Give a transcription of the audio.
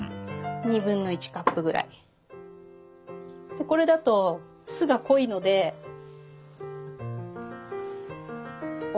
でこれだと酢が濃いのでお水を半分。